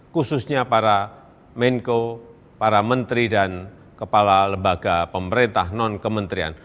khususnya para menko para menteri dan kepala lembaga pemerintah non kementerian